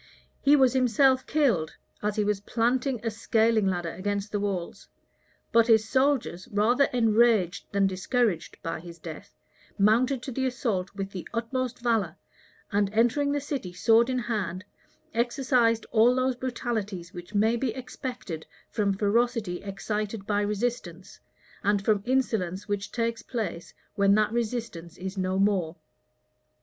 He was himself killed, as he was planting a scaling ladder against the walls; but his soldiers, rather enraged than discouraged by his death, mounted to the assault with the utmost valor, and entering the city sword in hand, exercised all those brutalities which may be expected from ferocity excited by resistance, and from insolence which takes place when that resistance is no more.